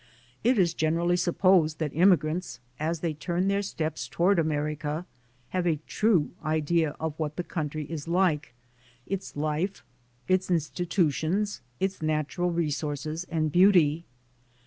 It is generally sup posed that immigrants, as they turn their steps to ward America, have a true idea of what the country is like, its life, its institutions, its natural resources and beauty.